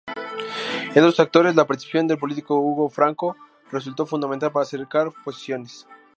Entre otros actores, la participación del político Hugo Franco, resultó fundamental para acercar posiciones.